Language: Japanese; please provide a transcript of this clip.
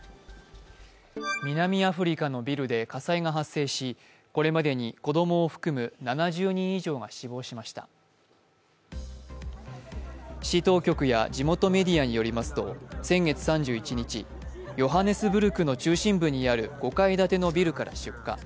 南アフリカのビルで火災が発生し、これまでに子供を含む７０人以上が死亡しました市当局や地元メディアによりますと、先月３１日、ヨハネスブルクの中心部にある５階建てのビルから出火。